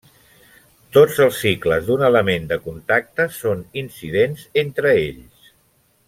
Tots els cicles d'un element de contacte són incidents entre ells.